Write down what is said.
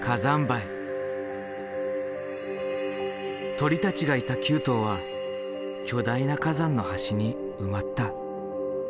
鳥たちがいた旧島は巨大な火山の端に埋まった。